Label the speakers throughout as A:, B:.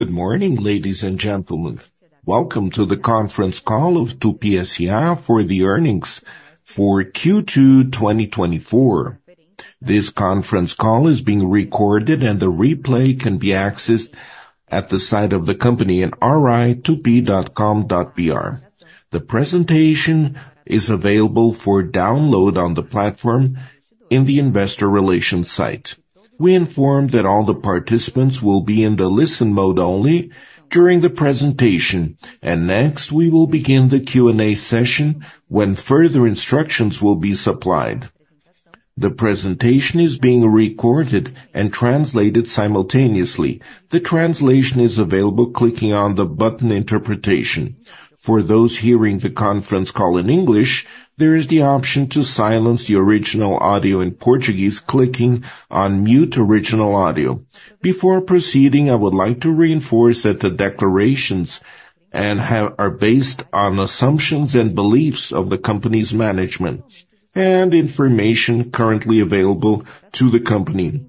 A: Good morning, ladies and gentlemen. Welcome to the conference call of Tupy S.A. for the Earnings for Q2 2024. This conference call is being recorded, and the replay can be accessed at the site of the company at ri.tupy.com.br. The presentation is available for download on the platform in the investor relations site. We inform that all the participants will be in the listen mode only during the presentation, and next, we will begin the Q&A session, when further instructions will be supplied. The presentation is being recorded and translated simultaneously. The translation is available clicking on the button Interpretation. For those hearing the conference call in English, there is the option to silence the original audio in Portuguese, clicking on Mute Original Audio. Before proceeding, I would like to reinforce that the declarations are based on assumptions and beliefs of the company's management and information currently available to the company.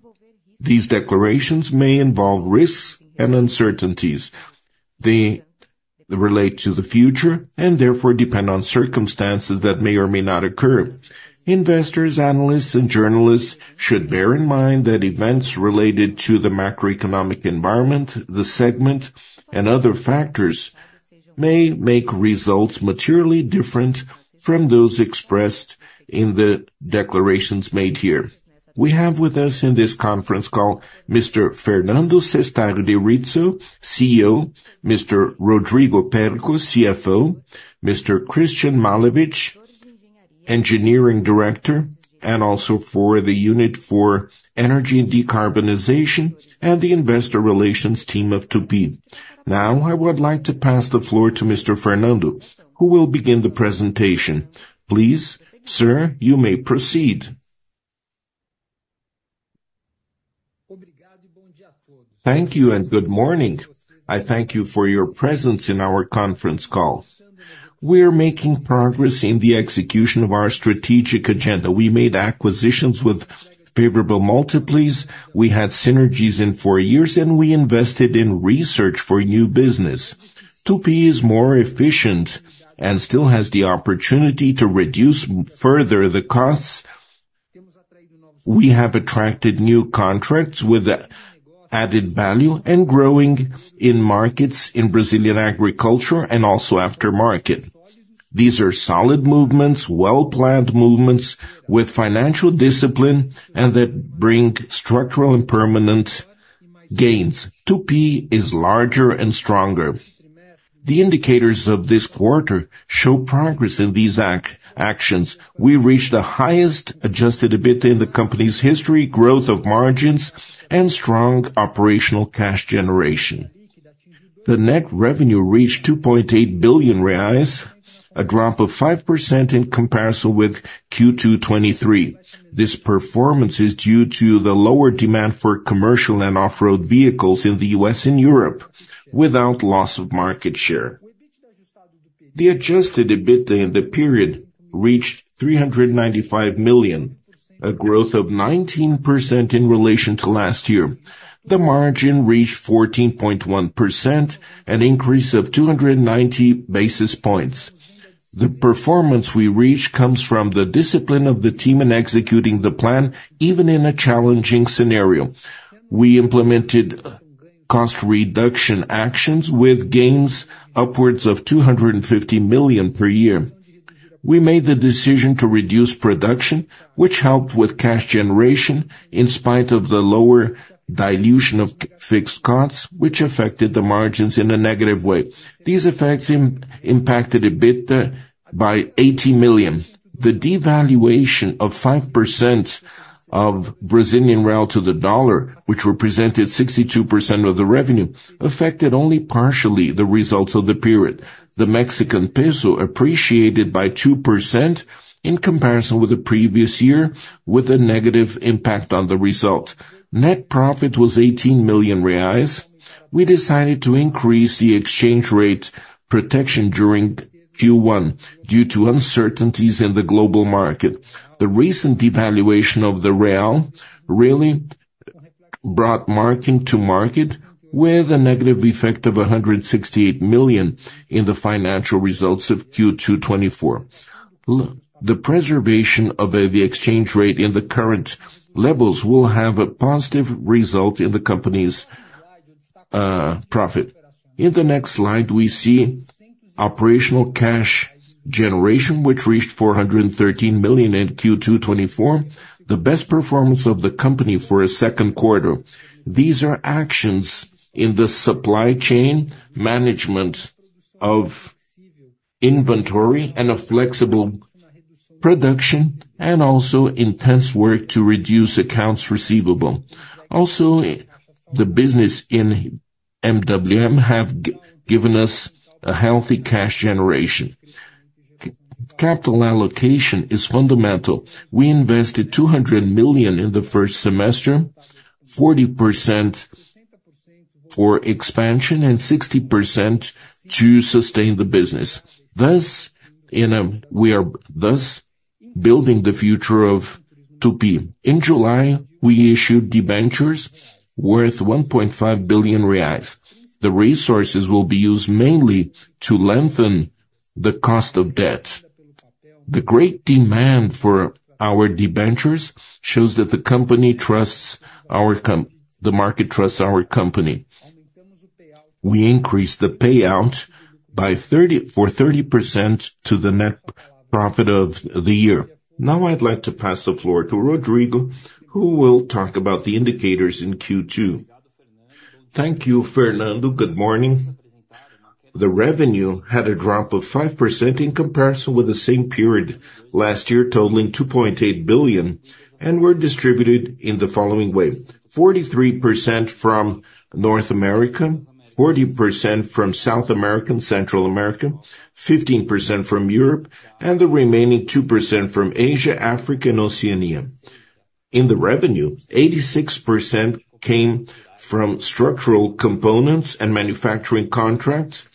A: These declarations may involve risks and uncertainties. They relate to the future and therefore depend on circumstances that may or may not occur. Investors, analysts, and journalists should bear in mind that events related to the macroeconomic environment, the segment, and other factors may make results materially different from those expressed in the declarations made here. We have with us in this conference call Mr. Fernando Cestari de Rizzo, CEO, Mr. Rodrigo Périco, CFO, Mr. Cristian Malevic, Engineering Director, and also for the Unit for Energy and Decarbonization, and the investor relations team of Tupy. Now, I would like to pass the floor to Mr. Fernando, who will begin the presentation. Please, sir, you may proceed.
B: Thank you and good morning. I thank you for your presence in our conference call. We are making progress in the execution of our strategic agenda. We made acquisitions with favorable multiples, we had synergies in four years, and we invested in research for new business. Tupy is more efficient and still has the opportunity to reduce further the costs. We have attracted new contracts with added value and growing in markets in Brazilian agriculture and also aftermarket. These are solid movements, well-planned movements with financial discipline and that bring structural and permanent gains. Tupy is larger and stronger. The indicators of this quarter show progress in these actions. We reached the highest adjusted EBIT in the company's history, growth of margins, and strong operational cash generation. The net revenue reached 2.8 billion reais, a drop of 5% in comparison with Q2 2023. This performance is due to the lower demand for commercial and off-road vehicles in the U.S. and Europe, without loss of market share. The adjusted EBIT in the period reached 395 million, a growth of 19% in relation to last year. The margin reached 14.1%, an increase of 290 basis points. The performance we reach comes from the discipline of the team in executing the plan, even in a challenging scenario. We implemented cost reduction actions with gains upwards of 250 million per year. We made the decision to reduce production, which helped with cash generation in spite of the lower dilution of fixed costs, which affected the margins in a negative way. These effects impacted a bit by 80 million. The devaluation of 5% of the Brazilian real to the dollar, which represented 62% of the revenue, affected only partially the results of the period. The Mexican peso appreciated by 2% in comparison with the previous year, with a negative impact on the result. Net profit was 18 million reais. We decided to increase the exchange rate protection during Q1 due to uncertainties in the global market. The recent devaluation of the real really brought marking to market, with a negative effect of 168 million in the financial results of Q2 2024. Look, the preservation of the exchange rate in the current levels will have a positive result in the company's profit. In the next slide, we see operational cash generation, which reached 413 million in Q2 2024, the best performance of the company for a second quarter. These are actions in the supply chain, management of inventory and a flexible production, and also intense work to reduce accounts receivable. Also, the business in MWM has given us a healthy cash generation. Capital allocation is fundamental. We invested 200 million in the first semester, 40% for expansion and 60% to sustain the business. Thus, we are building the future of Tupy. In July, we issued debentures worth 1.5 billion reais. The resources will be used mainly to lengthen the cost of debt. The great demand for our debentures shows that the market trusts our company. We increased the payout by 30% to the net profit of the year. Now, I'd like to pass the floor to Rodrigo, who will talk about the indicators in Q2.
C: Thank you, Fernando. Good morning. The revenue had a drop of 5% in comparison with the same period last year, totaling 2.8 billion, and were distributed in the following way: 43% from North America, 40% from South America, Central America, 15% from Europe, and the remaining 2% from Asia, Africa, and Oceania. In the revenue, 86% came from structural components and manufacturing contracts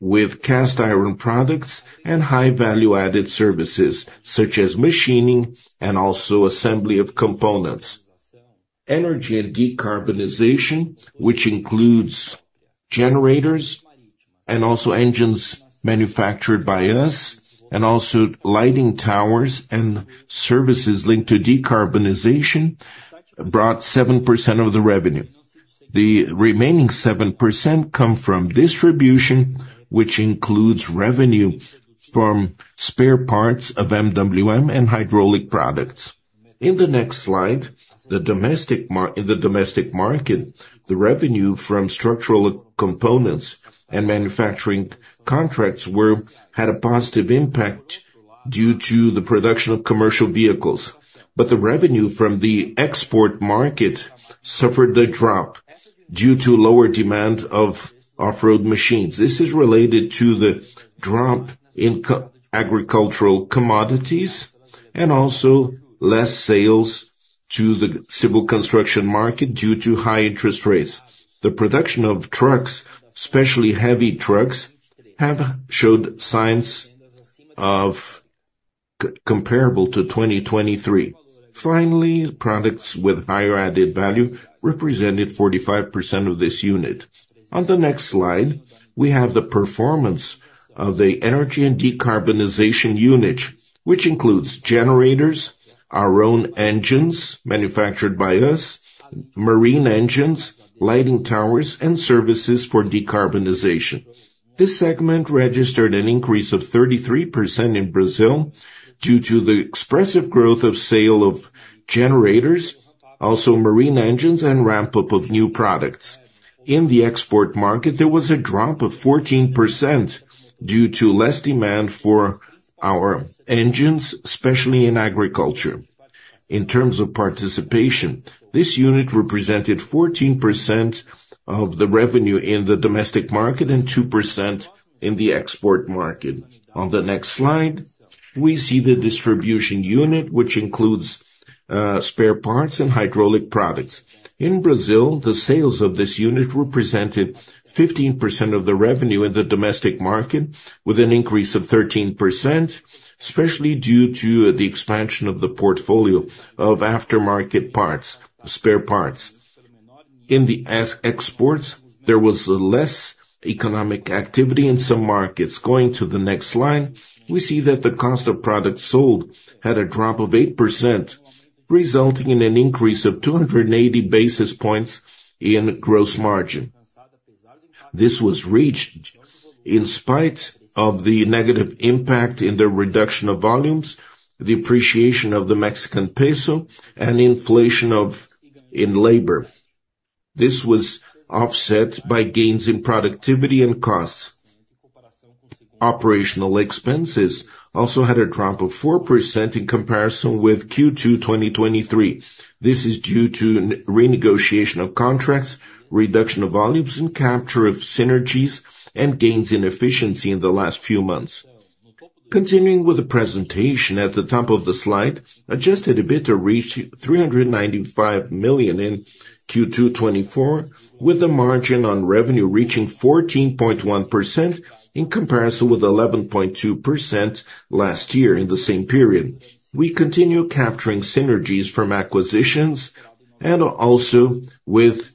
C: with cast iron products and high value-added services, such as machining and also assembly of components. Energy and decarbonization, which includes generators and also engines manufactured by us, and also lighting towers and services linked to decarbonization, brought 7% of the revenue. The remaining 7% come from distribution, which includes revenue from spare parts of MWM and hydraulic products. In the next slide, in the domestic market, the revenue from structural components and manufacturing contracts had a positive impact due to the production of commercial vehicles. But the revenue from the export market suffered a drop due to lower demand of off-road machines. This is related to the drop in agricultural commodities and also less sales to the civil construction market due to high interest rates. The production of trucks, especially heavy trucks, have showed signs of comparable to 2023. Finally, products with higher added value represented 45% of this unit. On the next slide, we have the performance of the energy and decarbonization unit, which includes generators, our own engines manufactured by us, marine engines, lighting towers, and services for decarbonization. This segment registered an increase of 33% in Brazil due to the expressive growth of sale of generators, also marine engines, and ramp-up of new products. In the export market, there was a drop of 14% due to less demand for our engines, especially in agriculture. In terms of participation, this unit represented 14% of the revenue in the domestic market and 2% in the export market. On the next slide, we see the distribution unit, which includes spare parts and hydraulic products. In Brazil, the sales of this unit represented 15% of the revenue in the domestic market, with an increase of 13%, especially due to the expansion of the portfolio of aftermarket parts, spare parts. In the exports, there was less economic activity in some markets. Going to the next slide, we see that the cost of products sold had a drop of 8%, resulting in an increase of 280 basis points in gross margin. This was reached in spite of the negative impact in the reduction of volumes, the appreciation of the Mexican peso, and inflation of, in labor. This was offset by gains in productivity and costs. Operational expenses also had a drop of 4% in comparison with Q2 2023. This is due to renegotiation of contracts, reduction of volumes and capture of synergies, and gains in efficiency in the last few months. Continuing with the presentation, at the top of the slide, Adjusted EBITDA reached 395 million in Q2 2024, with the margin on revenue reaching 14.1% in comparison with 11.2% last year in the same period. We continue capturing synergies from acquisitions and also with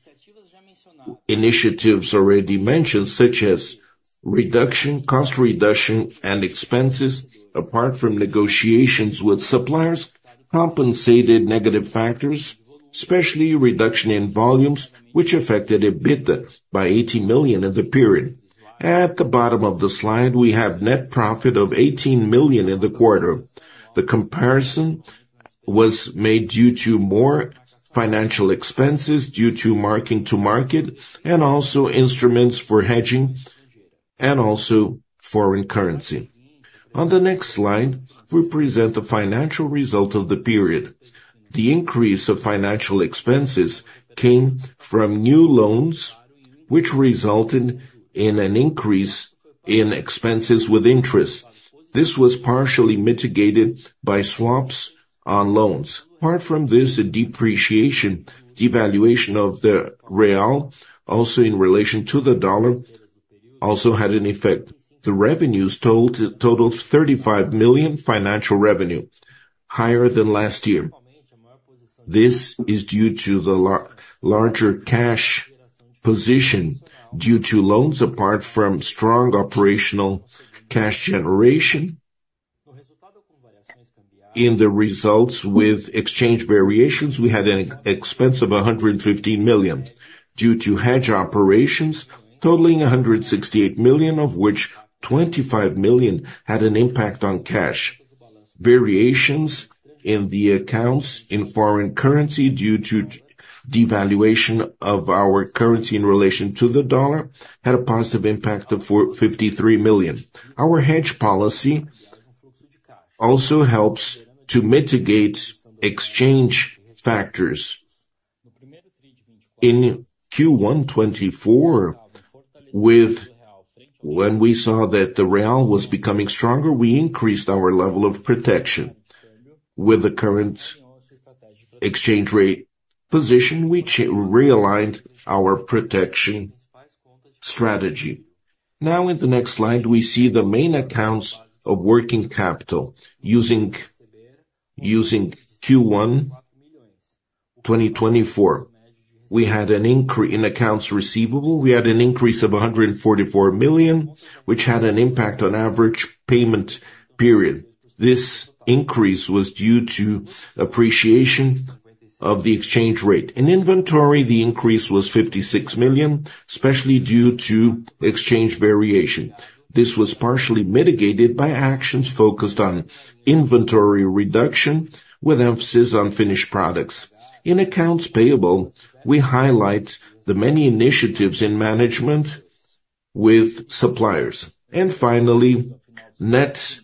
C: initiatives already mentioned, such as reduction, cost reduction, and expenses, apart from negotiations with suppliers, compensated negative factors, especially reduction in volumes, which affected EBITDA by 80 million in the period. At the bottom of the slide, we have net profit of 18 million in the quarter. The comparison was made due to more financial expenses, due to marking to market, and also instruments for hedging, and also foreign currency. On the next slide, we present the financial result of the period. The increase of financial expenses came from new loans, which resulted in an increase in expenses with interest. This was partially mitigated by swaps on loans. Apart from this, the depreciation, devaluation of the real, also in relation to the dollar, also had an effect. The revenues totaled 35 million financial revenue, higher than last year. This is due to the larger cash position, due to loans, apart from strong operational cash generation. In the results with exchange variations, we had an expense of 115 million, due to hedge operations totaling 168 million, of which 25 million had an impact on cash. Variations in the accounts in foreign currency, due to devaluation of our currency in relation to the dollar, had a positive impact of 53 million. Our hedge policy also helps to mitigate exchange factors. In Q1 2024, when we saw that the real was becoming stronger, we increased our level of protection. With the current exchange rate position, we realigned our protection strategy. Now, in the next slide, we see the main accounts of working capital using Q1 2024. We had an increase in accounts receivable, we had an increase of 144 million, which had an impact on average payment period. This increase was due to appreciation of the exchange rate. In inventory, the increase was 56 million, especially due to exchange variation. This was partially mitigated by actions focused on inventory reduction, with emphasis on finished products. In accounts payable, we highlight the many initiatives in management with suppliers. And finally, net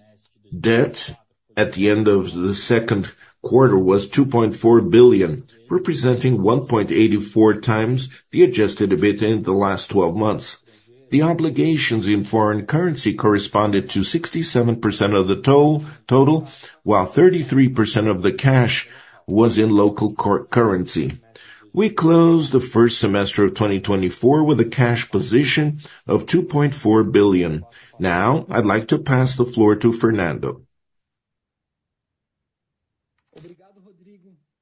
C: debt at the end of the second quarter was 2.4 billion, representing 1.84x the Adjusted EBITDA in the last twelve months. The obligations in foreign currency corresponded to 67% of the total, while 33% of the cash was in local currency. We closed the first semester of 2024 with a cash position of 2.4 billion. Now, I'd like to pass the floor to Fernando.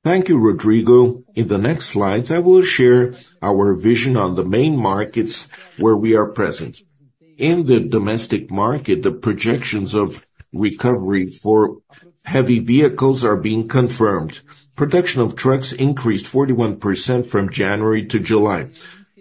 B: Thank you, Rodrigo. In the next slides, I will share our vision on the main markets where we are present. In the domestic market, the projections of recovery for heavy vehicles are being confirmed. Production of trucks increased 41% from January to July,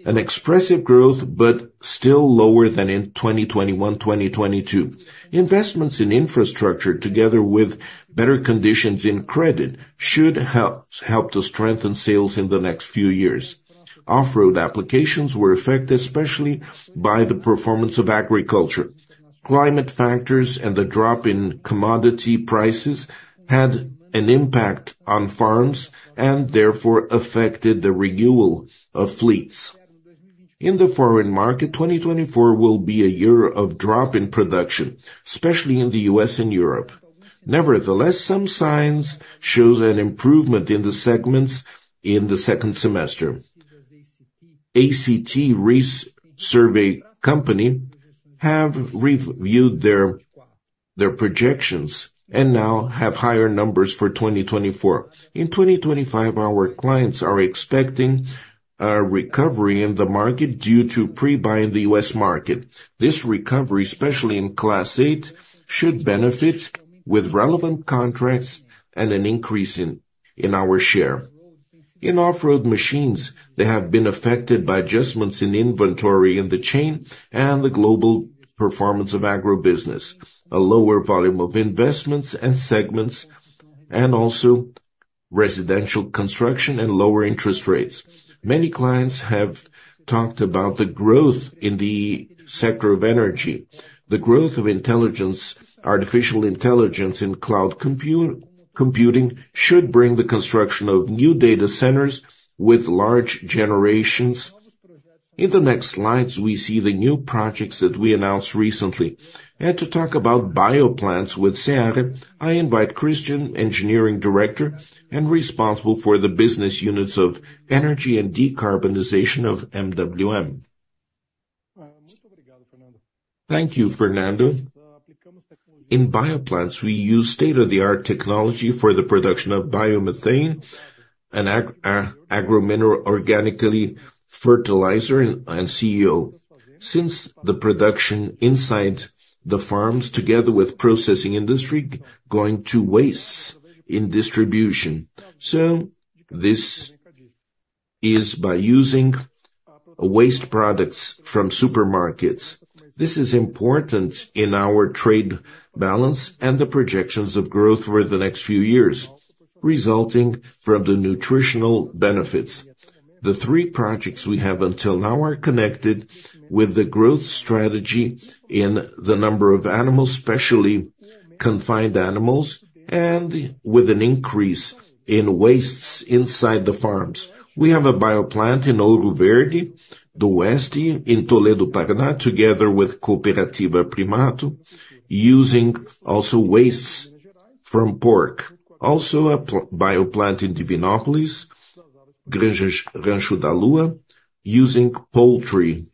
B: an expressive growth, but still lower than in 2021, 2022. Investments in infrastructure, together with better conditions in credit, should help to strengthen sales in the next few years. Off-road applications were affected, especially by the performance of agriculture. Climate factors and the drop in commodity prices had an impact on farms and therefore affected the renewal of fleets. In the foreign market, 2024 will be a year of drop in production, especially in the U.S. and Europe. Nevertheless, some signs shows an improvement in the segments in the second semester. ACT Research has reviewed their projections and now has higher numbers for 2024. In 2025, our clients are expecting a recovery in the market due to pre-buy in the U.S. market. This recovery, especially in Class 8, should benefit with relevant contracts and an increase in our share. In off-road machines, they have been affected by adjustments in inventory in the chain and the global performance of agribusiness, a lower volume of investments and segments, and also residential construction and lower interest rates. Many clients have talked about the growth in the sector of energy. The growth of artificial intelligence in cloud computing should bring the construction of new data centers with large generations. In the next slides, we see the new projects that we announced recently. And to talk about bioplants with Seara, I invite Cristian, Engineering Director and responsible for the business units of energy and decarbonization of MWM.
D: Thank you, Fernando. In bioplants, we use state-of-the-art technology for the production of biomethane and organomineral organic fertilizer. This production inside the farms, together with processing industry, going to waste in distribution. So this is by using waste products from supermarkets. This is important in our trade balance and the projections of growth over the next few years, resulting from the nutritional benefits. The three projects we have until now are connected with the growth strategy in the number of animals, especially confined animals, and with an increase in wastes inside the farms. We have a bioplant in Ouro Verde do Oeste, in Toledo, Paraná, together with Cooperativa Primato, using also wastes from pork. Also, a bioplant in Divinópolis, Granja Rancho da Lua, using poultry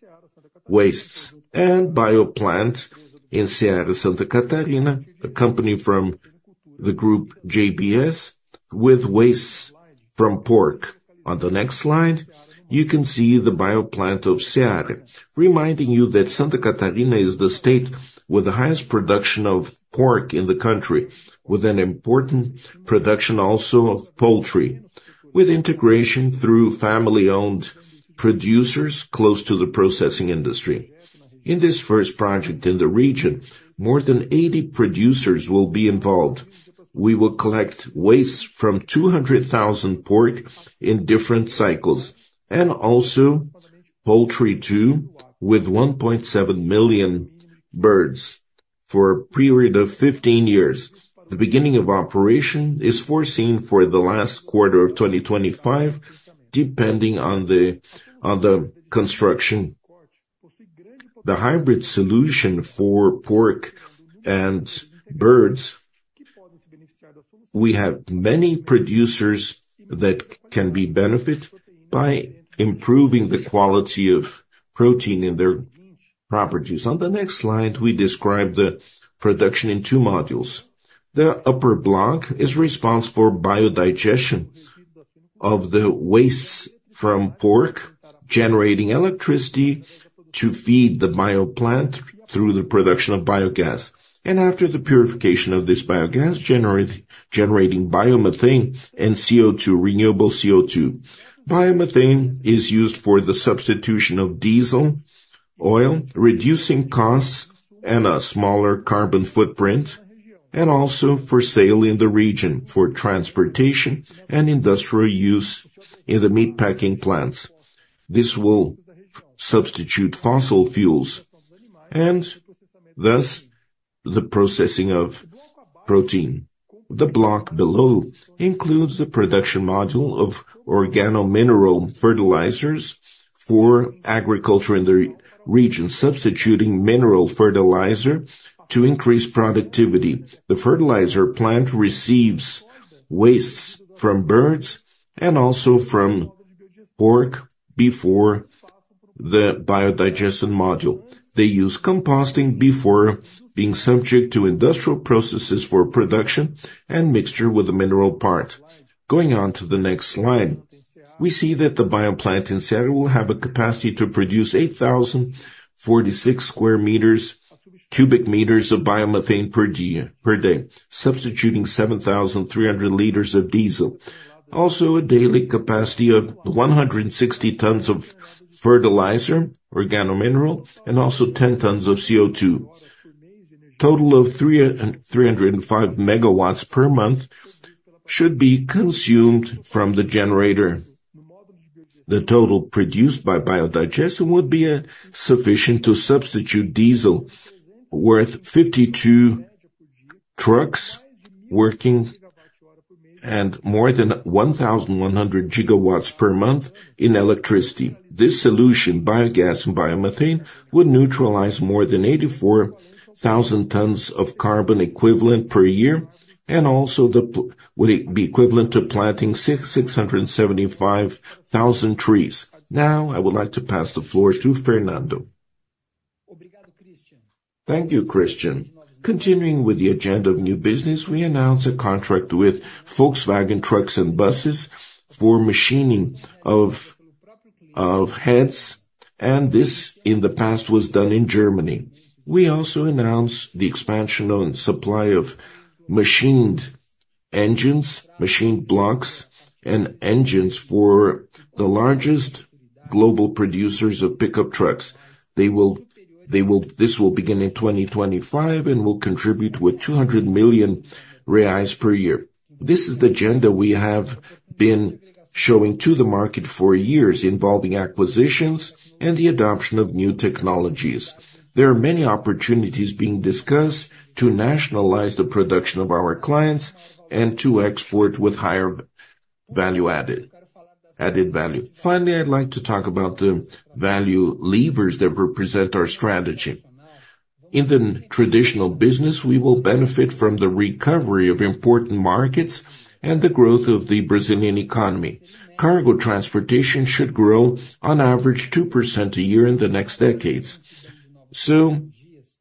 D: wastes, and bioplant in Seara, Santa Catarina, a company from the group JBS, with wastes from pork. On the next slide, you can see the bioplant of Seara, reminding you that Santa Catarina is the state with the highest production of pork in the country, with an important production also of poultry, with integration through family-owned producers close to the processing industry. In this first project in the region, more than 80 producers will be involved. We will collect waste from 200,000 pork in different cycles, and also poultry, too, with 1.7 million birds for a period of 15 years. The beginning of operation is foreseen for the last quarter of 2025, depending on the, on the construction. The hybrid solution for pork and birds, we have many producers that can benefit by improving the quality of protein in their properties. On the next slide, we describe the production in two modules. The upper block is responsible for biodigestion of the wastes from pork, generating electricity to feed the bioplant through the production of biogas. And after the purification of this biogas, generating biomethane and CO₂, renewable CO₂. Biomethane is used for the substitution of diesel oil, reducing costs and a smaller carbon footprint, and also for sale in the region for transportation and industrial use in the meat packing plants. This will substitute fossil fuels, and thus, the processing of protein. The block below includes the production module of organomineral fertilizers for agriculture in the region, substituting mineral fertilizer to increase productivity. The fertilizer plant receives wastes from birds and also from pork before the biodigestion module. They use composting before being subject to industrial processes for production and mixture with the mineral part. Going on to the next slide, we see that the bioplant in Seara will have a capacity to produce 8,046 cubic meters of biomethane per day, substituting 7,300 liters of diesel. Also, a daily capacity of 160 tons of organomineral fertilizer, and also 10 tons of CO₂. Total of 305 MW per month should be consumed from the generator. The total produced by biodigestion would be sufficient to substitute diesel, worth 52 trucks working and more than 1,100 gigawatts per month in electricity. This solution, biogas and biomethane, would neutralize more than 84,000 tons of carbon equivalent per year, and also would be equivalent to planting 675,000 trees. Now, I would like to pass the floor to Fernando. Thank you, Cristian. Continuing with the agenda of new business, we announced a contract with Volkswagen Trucks and Buses for machining of heads, and this, in the past, was done in Germany. We also announced the expansion on supply of machined engines, machined blocks, and engines for the largest global producers of pickup trucks. This will begin in 2025 and will contribute with 200 million reais per year. This is the agenda we have been showing to the market for years, involving acquisitions and the adoption of new technologies. There are many opportunities being discussed to nationalize the production of our clients and to export with higher value added, added value. Finally, I'd like to talk about the value levers that represent our strategy. In the traditional business, we will benefit from the recovery of important markets and the growth of the Brazilian economy. Cargo transportation should grow on average 2% a year in the next decades. So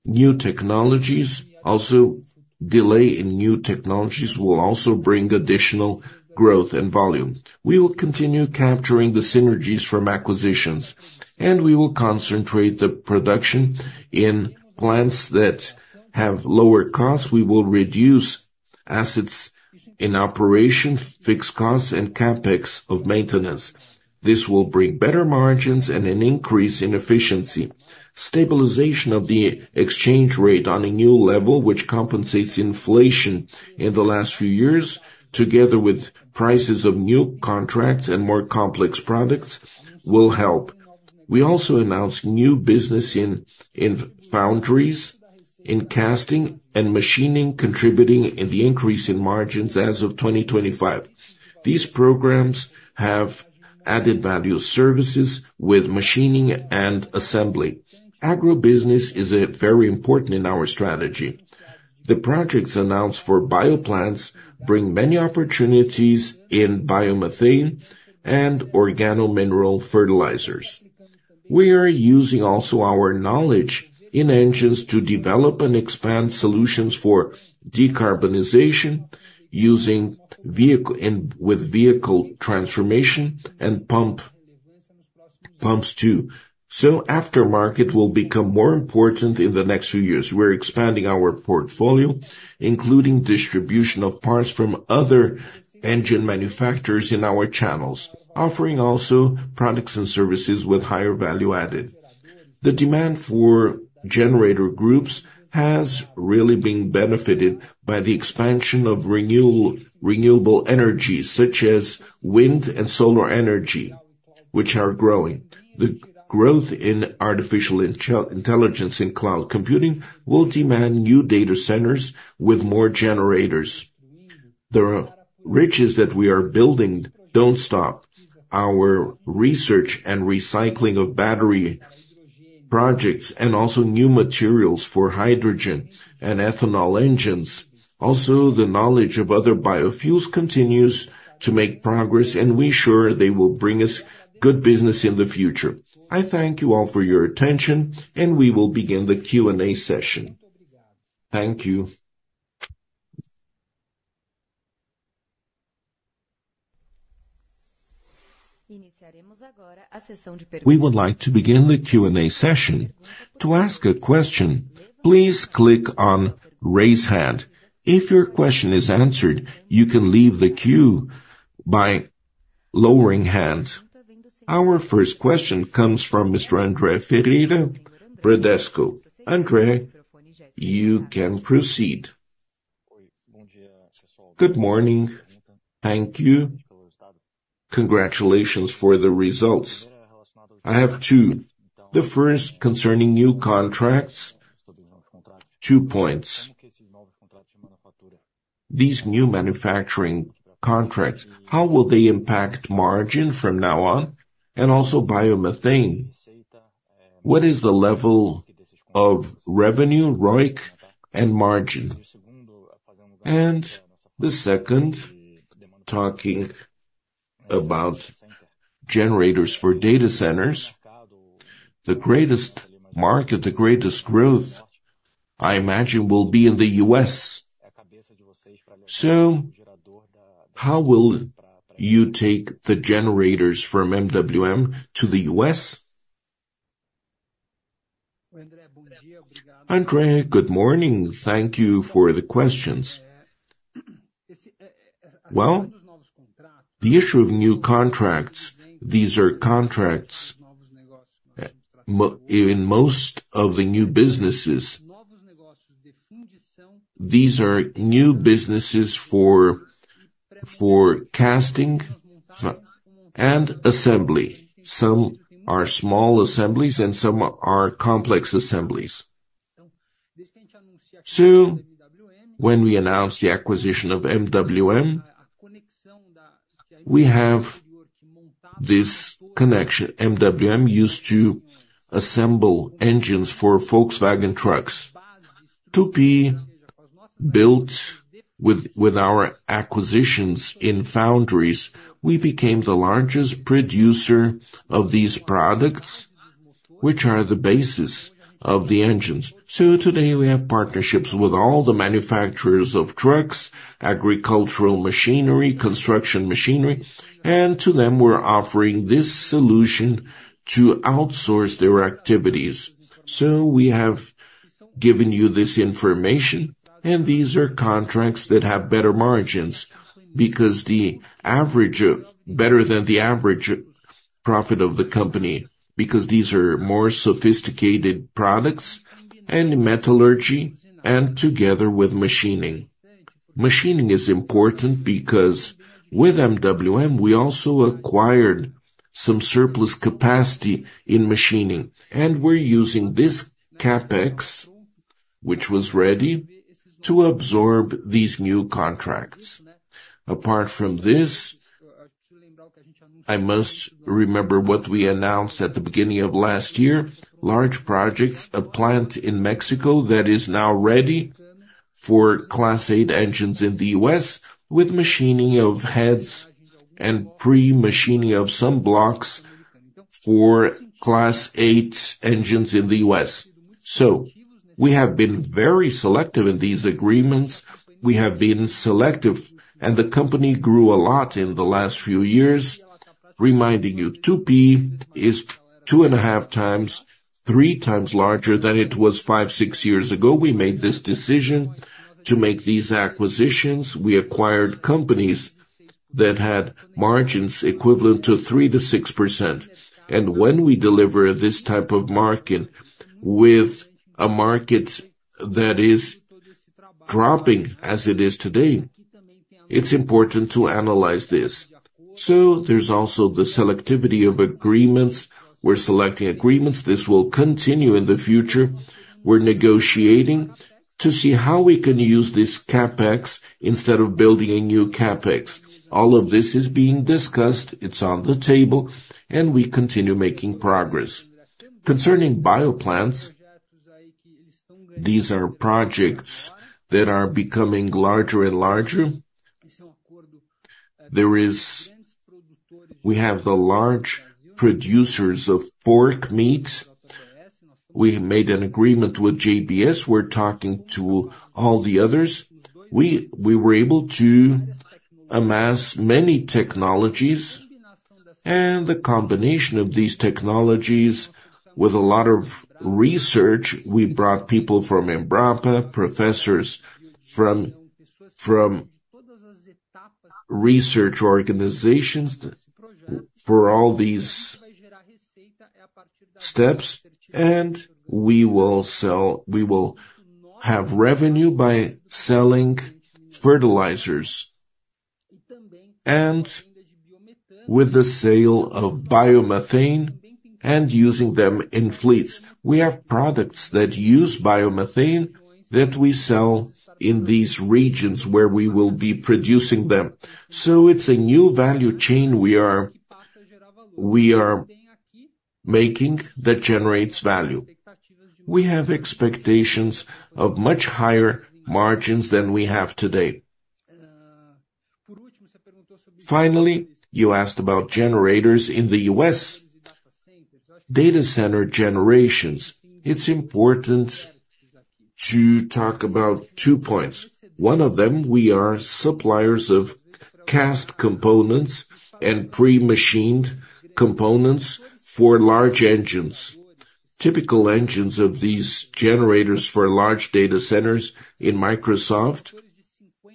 D: new technologies, also delay in new technologies, will also bring additional growth and volume. We will continue capturing the synergies from acquisitions, and we will concentrate the production in plants that have lower costs. We will reduce assets in operation, fixed costs, and CapEx of maintenance. This will bring better margins and an increase in efficiency. Stabilization of the exchange rate on a new level, which compensates inflation in the last few years, together with prices of new contracts and more complex products, will help. We also announced new business in foundries, in casting and machining, contributing in the increase in margins as of 2025. These programs have added value services with machining and assembly. Agribusiness is very important in our strategy. The projects announced for bioplants bring many opportunities in biomethane and organomineral fertilizers. We are using also our knowledge in engines to develop and expand solutions for decarbonization, using vehicle in, with vehicle transformation and pumps, too. So aftermarket will become more important in the next few years. We're expanding our portfolio, including distribution of parts from other engine manufacturers in our channels, offering also products and services with higher value added. The demand for generator groups has really been benefited by the expansion of renewable energy, such as wind and solar energy, which are growing. The growth in artificial intelligence and cloud computing will demand new data centers with more generators. The riches that we are building don't stop. Our research and recycling of battery projects, and also new materials for hydrogen and ethanol engines. Also, the knowledge of other biofuels continues to make progress, and we're sure they will bring us good business in the future. I thank you all for your attention, and we will begin the Q&A session. Thank you.
A: We would like to begin the Q&A session. To ask a question, please click on Raise Hand. If your question is answered, you can leave the queue by lowering hand. Our first question comes from Mr. André Ferreira, Bradesco. André, you can proceed.
E: Good morning. Thank you. Congratulations for the results. I have two. The first, concerning new contracts, two points. These new manufacturing contracts, how will they impact margin from now on? And also biomethane, what is the level of revenue, ROIC, and margin? And the second, talking about generators for data centers, the greatest market, the greatest growth, I imagine, will be in the U.S. So how will you take the generators from MWM to the U.S.?
B: André, good morning. Thank you for the questions. Well, the issue of new contracts, these are contracts, in most of the new businesses. These are new businesses for casting and assembly. Some are small assemblies and some are complex assemblies. So when we announced the acquisition of MWM, we have this connection. MWM used to assemble engines for Volkswagen trucks. Tupy built with our acquisitions in foundries, we became the largest producer of these products, which are the basis of the engines. So today, we have partnerships with all the manufacturers of trucks, agricultural machinery, construction machinery, and to them, we're offering this solution to outsource their activities. So we have given you this information, and these are contracts that have better margins, because the average of, better than the average profit of the company, because these are more sophisticated products and metallurgy, and together with machining. Machining is important because with MWM, we also acquired some surplus capacity in machining, and we're using this CapEx, which was ready, to absorb these new contracts. Apart from this, I must remember what we announced at the beginning of last year: large projects, a plant in Mexico that is now ready for Class 8 engines in the US, with machining of heads and pre-machining of some blocks for Class 8 engines in the US. So we have been very selective in these agreements. We have been selective, and the company grew a lot in the last few years. Reminding you, Tupy is 2.5x, 3x larger than it was five, six years ago. We made this decision to make these acquisitions. We acquired companies that had margins equivalent to 3%-6%. And when we deliver this type of margin with a market that is dropping as it is today, it's important to analyze this. So there's also the selectivity of agreements. We're selecting agreements. This will continue in the future. We're negotiating to see how we can use this CapEx instead of building a new CapEx. All of this is being discussed, it's on the table, and we continue making progress. Concerning bioplants, these are projects that are becoming larger and larger. There is, we have the large producers of pork meat. We made an agreement with JBS, we're talking to all the others. We, we were able to amass many technologies, and the combination of these technologies with a lot of research, we brought people from Embrapa, professors from, from research organizations, for all these steps, and we will sell, we will have revenue by selling fertilizers, and with the sale of biomethane and using them in fleets. We have products that use biomethane that we sell in these regions where we will be producing them. So it's a new value chain we are, we are making that generates value. We have expectations of much higher margins than we have today. Finally, you asked about generators in the U.S. Data center generators, it's important to talk about two points. One of them, we are suppliers of cast components and pre-machined components for large engines. Typical engines of these generators for large data centers like Microsoft,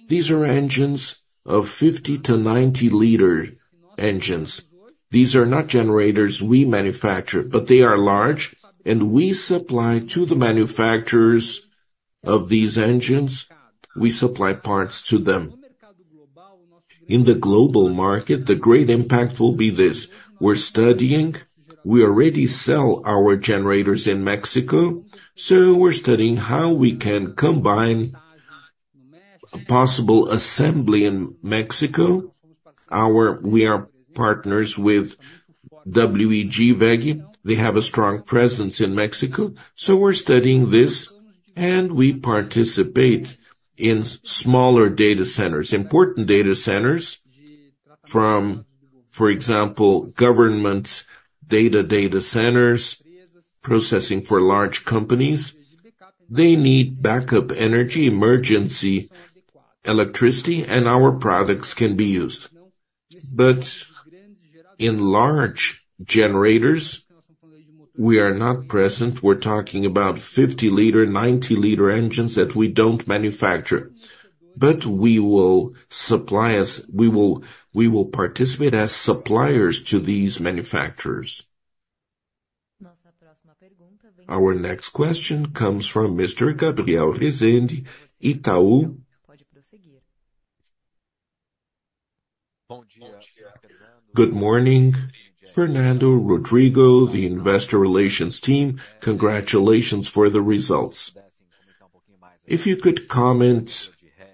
B: these are engines of 50-90 liter engines. These are not generators we manufacture, but they are large, and we supply to the manufacturers of these engines, we supply parts to them. In the global market, the great impact will be this: we're studying, we already sell our generators in Mexico, so we're studying how we can combine a possible assembly in Mexico. We are partners with WEG. They have a strong presence in Mexico, so we're studying this, and we participate in smaller data centers, important data centers from, for example, government data, data centers, processing for large companies. They need backup energy, emergency electricity, and our products can be used. But in large generators, we are not present. We're talking about 50-90 liter engines that we don't manufacture. But we will supply, we will participate as suppliers to these manufacturers.
A: Our next question comes from Mr. Gabriel Rezende, Itaú.
F: Good morning, Fernando, Rodrigo, the investor relations team. Congratulations for the results. If you could comment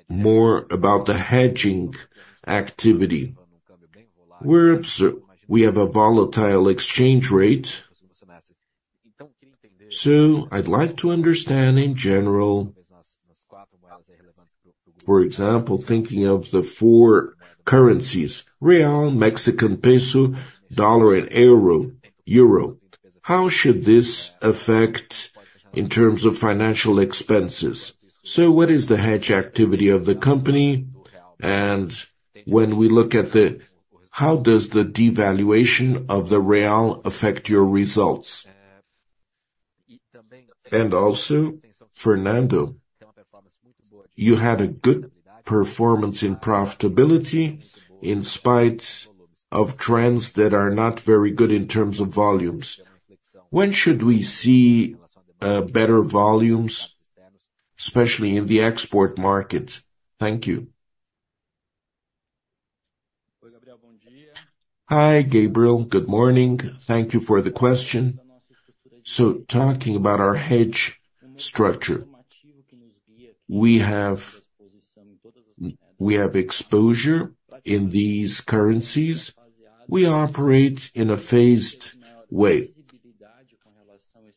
F: more about the hedging activity, we're observing, we have a volatile exchange rate. So I'd like to understand in general, for example, thinking of the four currencies, real, Mexican peso, dollar, and euro, euro, how should this affect in terms of financial expenses? So what is the hedge activity of the company? And when we look at the, how does the devaluation of the real affect your results? And also, Fernando, you had a good performance in profitability in spite of trends that are not very good in terms of volumes. When should we see better volumes, especially in the export market? Thank you.
B: Hi, Gabriel. Good morning. Thank you for the question. So talking about our hedge structure, we have, we have exposure in these currencies. We operate in a phased way.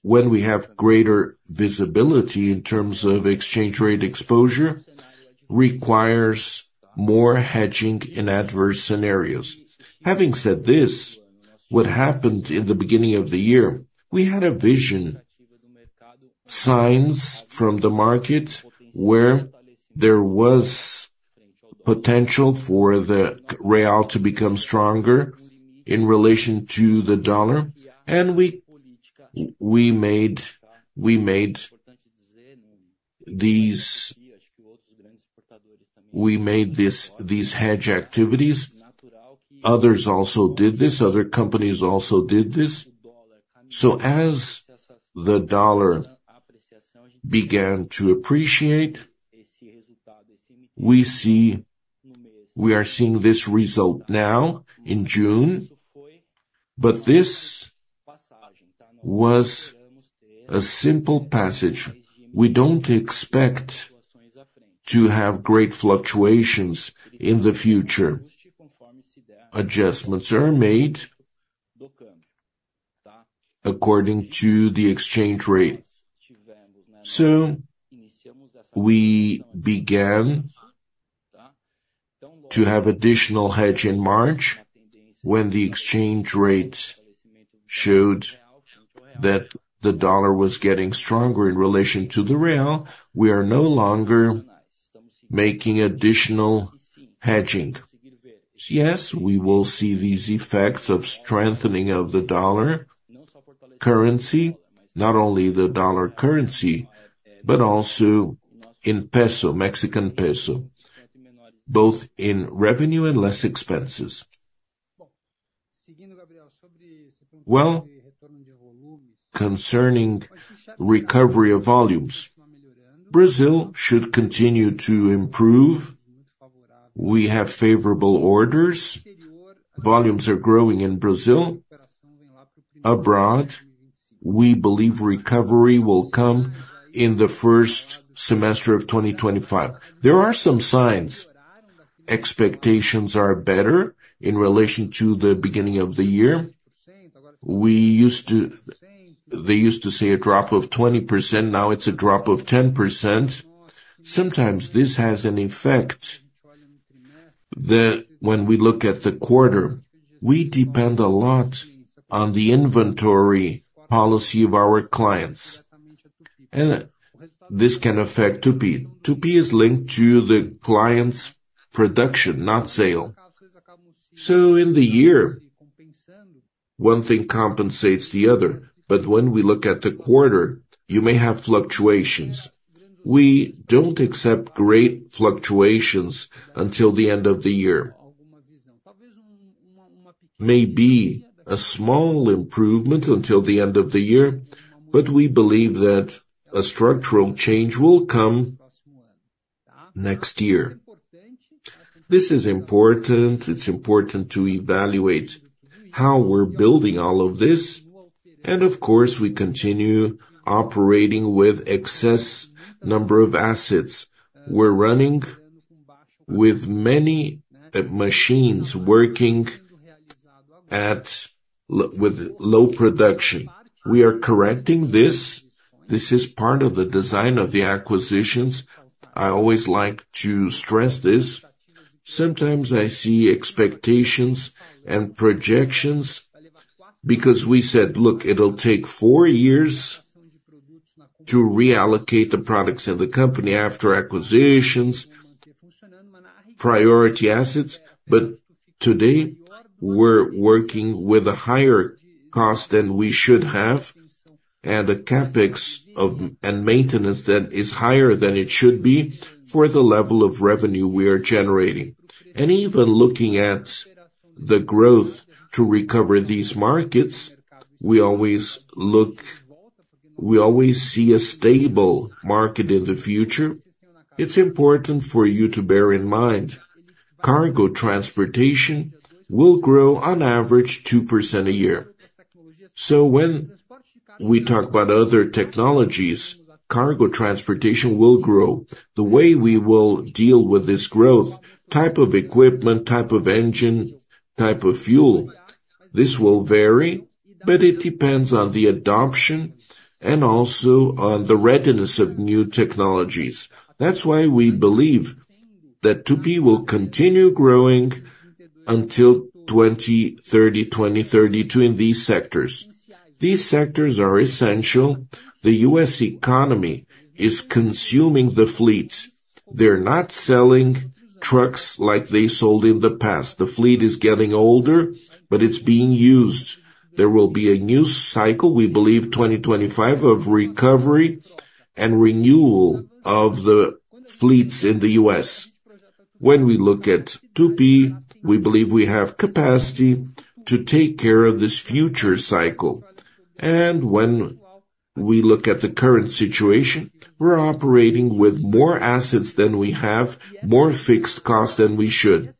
B: When we have greater visibility in terms of exchange rate exposure, requires more hedging in adverse scenarios. Having said this, what happened in the beginning of the year, we had a vision, signs from the market where there was potential for the real to become stronger in relation to the dollar, and we made these hedge activities. Others also did this, other companies also did this. So as the dollar began to appreciate, we are seeing this result now in June, but this was a simple passage. We don't expect to have great fluctuations in the future. Adjustments are made according to the exchange rate. So, we began to have additional hedge in March, when the exchange rate showed that the dollar was getting stronger in relation to the real. We are no longer making additional hedging. Yes, we will see these effects of strengthening of the dollar currency, not only the dollar currency, but also in peso, Mexican peso, both in revenue and less expenses. Well, concerning recovery of volumes, Brazil should continue to improve. We have favorable orders. Volumes are growing in Brazil. Abroad, we believe recovery will come in the first semester of 2025. There are some signs. Expectations are better in relation to the beginning of the year. They used to say a drop of 20%, now it's a drop of 10%. Sometimes this has an effect, that when we look at the quarter, we depend a lot on the inventory policy of our clients. And this can affect Tupy. Tupy is linked to the client's production, not sale. So in the year, one thing compensates the other, but when we look at the quarter, you may have fluctuations. We don't accept great fluctuations until the end of the year. Maybe a small improvement until the end of the year, but we believe that a structural change will come next year. This is important. It's important to evaluate how we're building all of this, and of course, we continue operating with excess number of assets. We're running with many machines working at low production. We are correcting this. This is part of the design of the acquisitions. I always like to stress this. Sometimes I see expectations and projections because we said, "Look, it'll take 4 years to reallocate the products in the company after acquisitions, priority assets." But today, we're working with a higher cost than we should have, and a CapEx and maintenance that is higher than it should be for the level of revenue we are generating. And even looking at the growth to recover these markets, we always see a stable market in the future. It's important for you to bear in mind, cargo transportation will grow on average 2% a year. So when we talk about other technologies, cargo transportation will grow. The way we will deal with this growth, type of equipment, type of engine, type of fuel, this will vary, but it depends on the adoption and also on the readiness of new technologies. That's why we believe that Tupy will continue growing until 2030, 2032 in these sectors. These sectors are essential. The U.S. economy is consuming the fleet. They're not selling trucks like they sold in the past. The fleet is getting older, but it's being used. There will be a new cycle, we believe, 2025, of recovery and renewal of the fleets in the U.S. When we look at Tupy, we believe we have capacity to take care of this future cycle. And when we look at the current situation, we're operating with more assets than we have, more fixed cost than we should.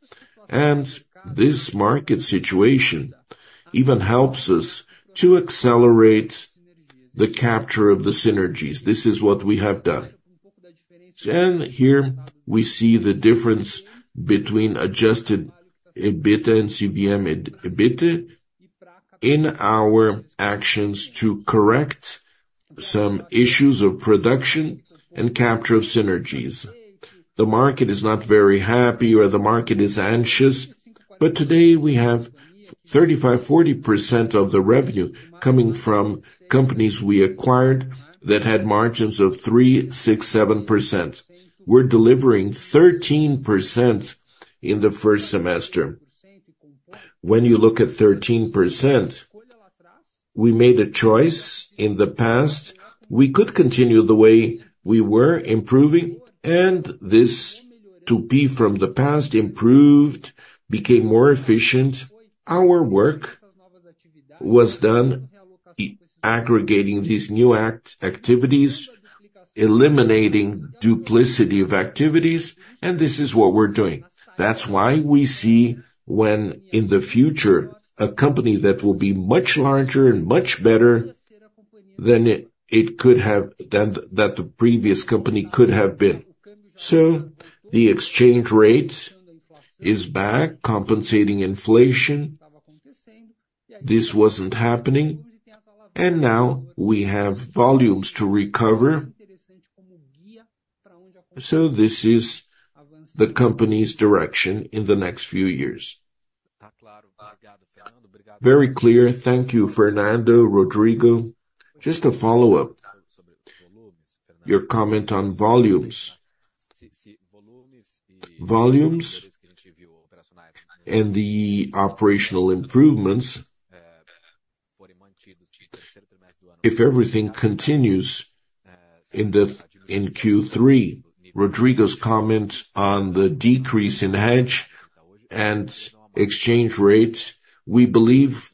B: And this market situation even helps us to accelerate the capture of the synergies. This is what we have done. Here we see the difference between Adjusted EBITDA and CVM EBITDA in our actions to correct some issues of production and capture of synergies. The market is not very happy, or the market is anxious, but today we have 35%-40% of the revenue coming from companies we acquired that had margins of 3%, 6%, 7%. We're delivering 13% in the first semester. When you look at 13%, we made a choice in the past. We could continue the way we were improving, and this Tupy from the past improved, became more efficient. Our work was done, aggregating these new activities, eliminating duplication of activities, and this is what we're doing. That's why we see when in the future a company that will be much larger and much better... then it could have more than that the previous company could have been. So the exchange rate is back, compensating inflation. This wasn't happening, and now we have volumes to recover. So this is the company's direction in the next few years.
F: Very clear. Thank you, Fernando, Rodrigo. Just a follow-up. Your comment on volumes. Volumes and the operational improvements, if everything continues in Q3, Rodrigo's comment on the decrease in hedge and exchange rates, we believe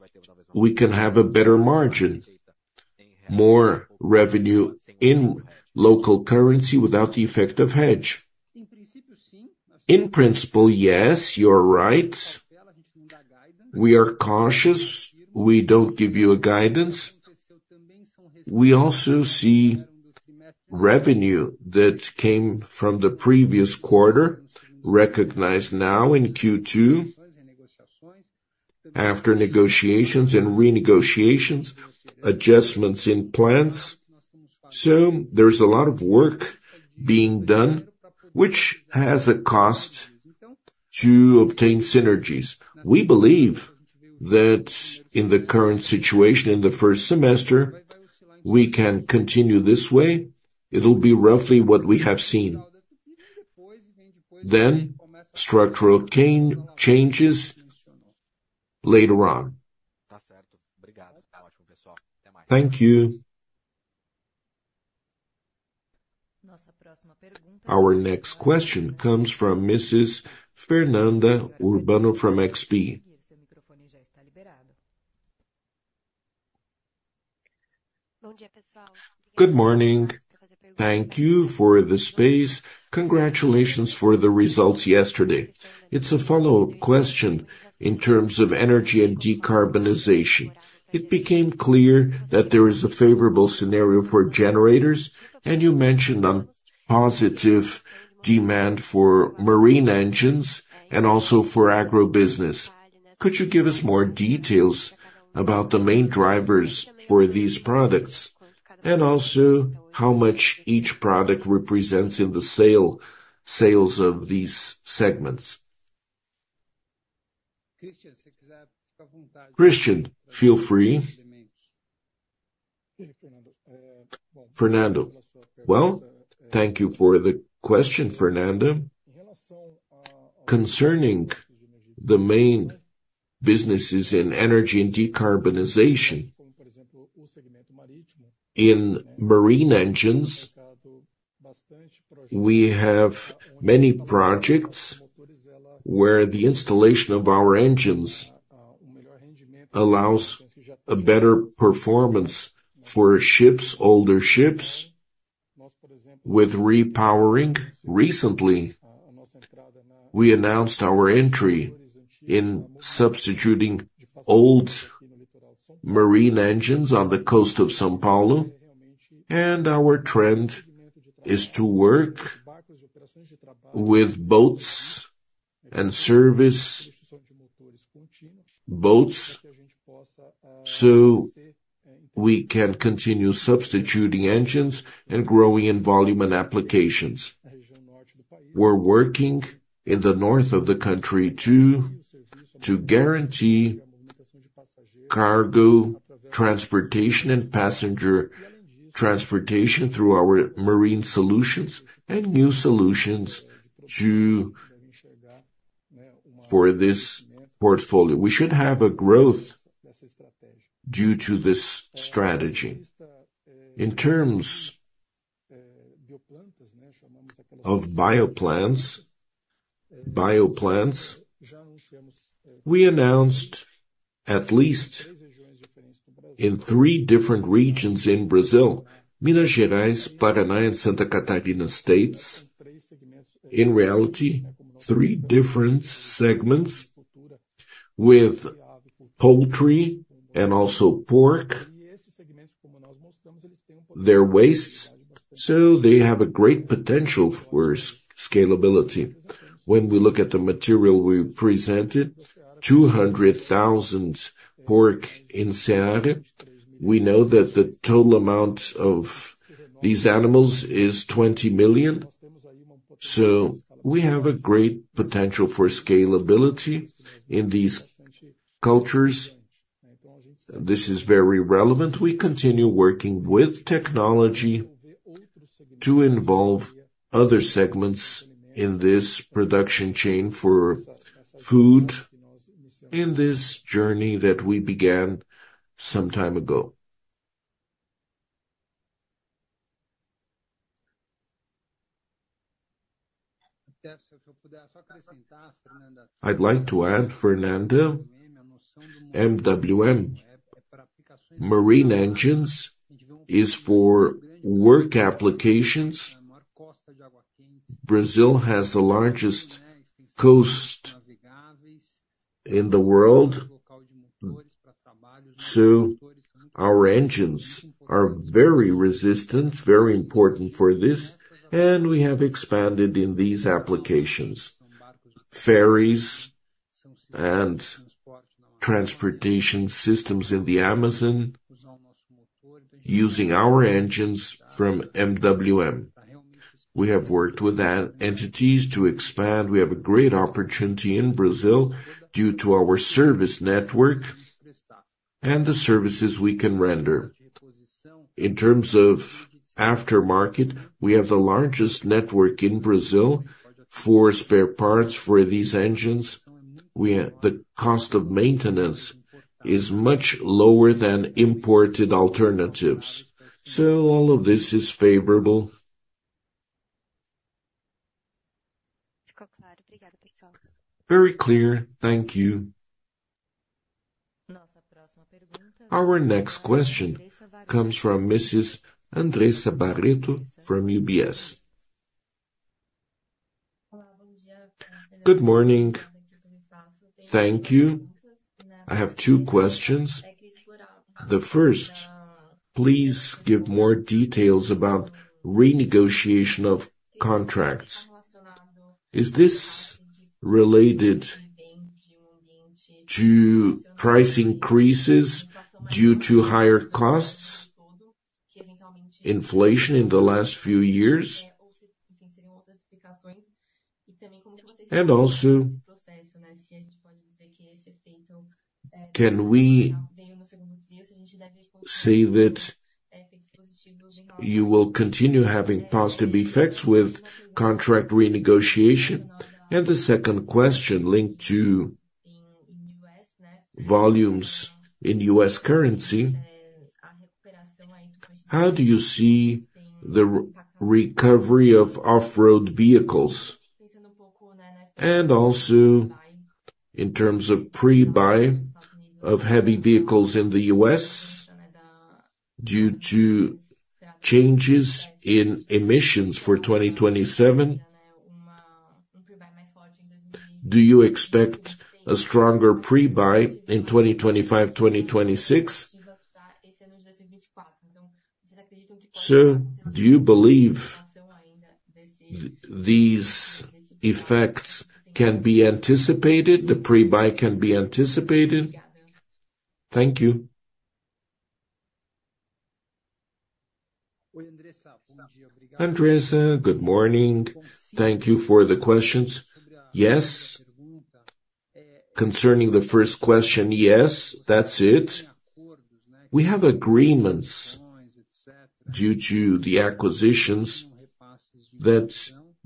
F: we can have a better margin, more revenue in local currency without the effect of hedge.
B: In principle, yes, you're right. We are cautious. We don't give you a guidance. We also see revenue that came from the previous quarter, recognized now in Q2, after negotiations and renegotiations, adjustments in plans. So there is a lot of work being done, which has a cost to obtain synergies. We believe that in the current situation, in the first semester, we can continue this way. It'll be roughly what we have seen. Then, structural gain changes later on.
F: Thank you.
A: Our next question comes from Mrs. Fernanda Urbano from XP.
G: Good morning. Thank you for the space. Congratulations for the results yesterday. It's a follow-up question in terms of energy and decarbonization. It became clear that there is a favorable scenario for generators, and you mentioned on positive demand for marine engines and also for agro business. Could you give us more details about the main drivers for these products, and also how much each product represents in the sale, sales of these segments?
B: Cristian, feel free.
D: Fernando. Well, thank you for the question, Fernanda. Concerning the main businesses in energy and decarbonization. In marine engines, we have many projects where the installation of our engines allows a better performance for ships, older ships. With repowering, recently, we announced our entry in substituting old marine engines on the coast of São Paulo, and our trend is to work with boats and service boats, so we can continue substituting engines and growing in volume and applications. We're working in the north of the country to guarantee cargo, transportation and passenger transportation through our marine solutions and new solutions for this portfolio. We should have a growth due to this strategy. In terms of bioplants, bioplants, we announced at least in three different regions in Brazil, Minas Gerais, Paraná, and Santa Catarina states. In reality, three different segments with poultry and also pork. Their wastes, so they have a great potential for scalability. When we look at the material we presented, 200,000 pork in Seara. We know that the total amount of these animals is 20 million, so we have a great potential for scalability in these cultures. This is very relevant. We continue working with technology to involve other segments in this production chain for food in this journey that we began some time ago.
B: I'd like to add, Fernanda, MWM marine engines is for work applications. Brazil has the largest coast in the world, so our engines are very resistant, very important for this, and we have expanded in these applications. Ferries and transportation systems in the Amazon, using our engines from MWM. We have worked with entities to expand. We have a great opportunity in Brazil, due to our service network and the services we can render. In terms of aftermarket, we have the largest network in Brazil for spare parts for these engines. We have the cost of maintenance is much lower than imported alternatives. So all of this is favorable.
G: Very clear. Thank you.
A: Our next question comes from Mrs. Andressa Barreto from UBS.
H: Good morning. Thank you. I have two questions. The first, please give more details about renegotiation of contracts. Is this related to price increases due to higher costs, inflation in the last few years? And also, can we say that you will continue having positive effects with contract renegotiation? And the second question, linked to volumes in U.S. currency, how do you see the recovery of off-road vehicles? And also, in terms of pre-buy of heavy vehicles in the U.S., due to changes in emissions for 2027, do you expect a stronger pre-buy in 2025, 2026? So do you believe these effects can be anticipated, the pre-buy can be anticipated? Thank you.
B: Andressa, good morning. Thank you for the questions. Yes. Concerning the first question, yes, that's it. We have agreements due to the acquisitions that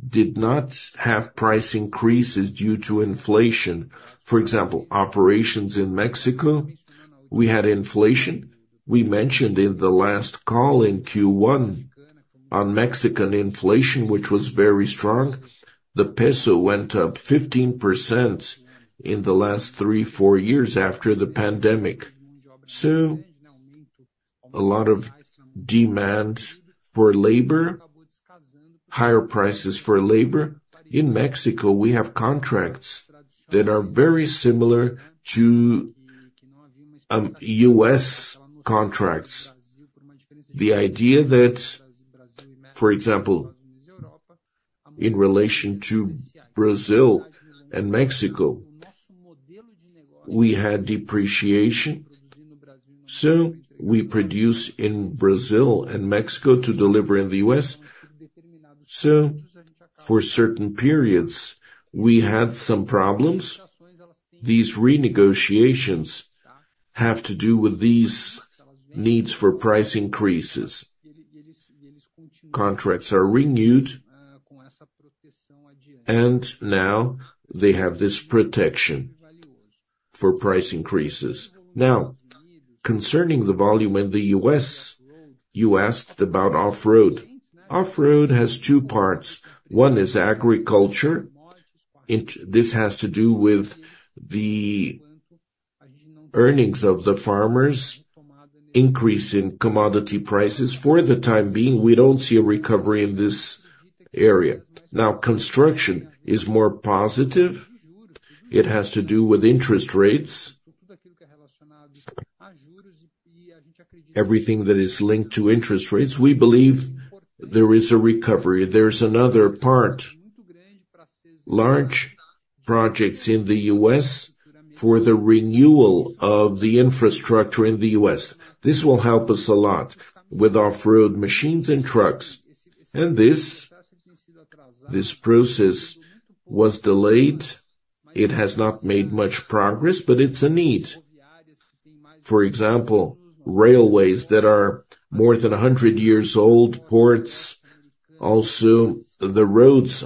B: did not have price increases due to inflation. For example, operations in Mexico, we had inflation. We mentioned in the last call in Q1 on Mexican inflation, which was very strong. The Mexican peso went up 15% in the last 3-4 years after the pandemic. So a lot of demand for labor, higher prices for labor. In Mexico, we have contracts that are very similar to U.S. contracts. The idea that, for example, in relation to Brazil and Mexico, we had depreciation, so we produce in Brazil and Mexico to deliver in the U.S. So for certain periods, we had some problems. These renegotiations have to do with these needs for price increases. Contracts are renewed, and now they have this protection for price increases. Now, concerning the volume in the U.S., you asked about off-road. Off-road has two parts. One is agriculture. This has to do with the earnings of the farmers, increase in commodity prices. For the time being, we don't see a recovery in this area. Now, construction is more positive. It has to do with interest rates. Everything that is linked to interest rates, we believe there is a recovery. There's another part, large projects in the U.S. for the renewal of the infrastructure in the U.S. This will help us a lot with off-road machines and trucks. And this, this process was delayed. It has not made much progress, but it's a need. For example, railways that are more than 100 years old, ports, also, the roads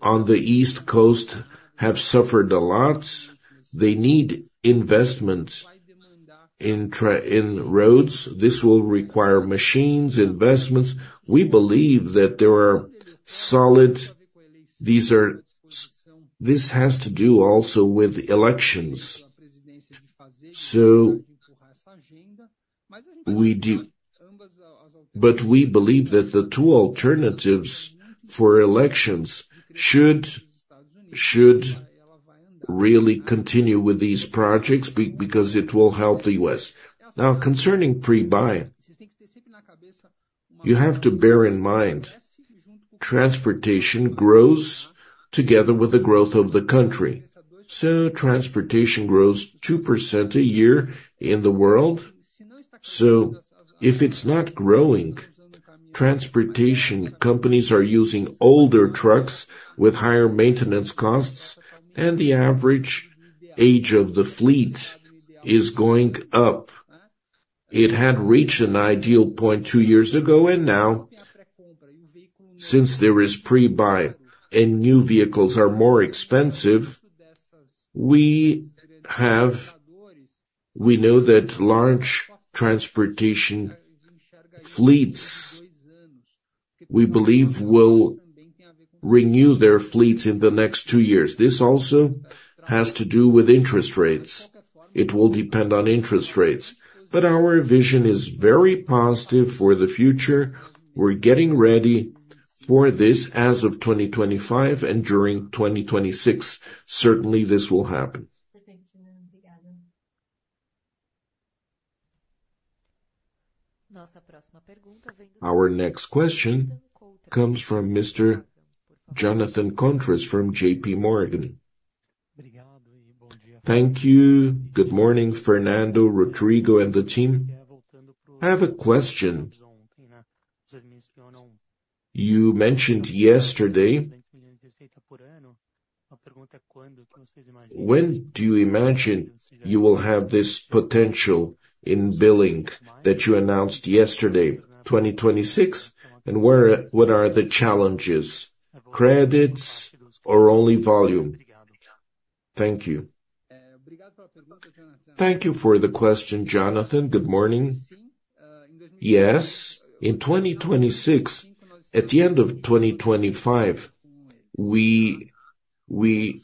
B: on the East Coast have suffered a lot. They need investment in roads. This will require machines, investments. We believe that there are solid. This has to do also with elections. So we do, but we believe that the two alternatives for elections should really continue with these projects, because it will help the U.S. Now, concerning pre-buy, you have to bear in mind, transportation grows together with the growth of the country. So transportation grows 2% a year in the world. So if it's not growing, transportation companies are using older trucks with higher maintenance costs, and the average age of the fleet is going up. It had reached an ideal point two years ago, and now, since there is pre-buy and new vehicles are more expensive, we know that large transportation fleets, we believe, will renew their fleets in the next two years. This also has to do with interest rates. It will depend on interest rates. But our vision is very positive for the future. We're getting ready for this as of 2025, and during 2026, certainly this will happen.
A: Our next question comes from Mr. Jonathan Koutras from J.P. Morgan.
I: Thank you. Good morning, Fernando, Rodrigo, and the team. I have a question. You mentioned yesterday. When do you imagine you will have this potential in billing that you announced yesterday, 2026? And where, what are the challenges, credits or only volume? Thank you.
B: Thank you for the question, Jonathan. Good morning. Yes, in 2026, at the end of 2025, we, we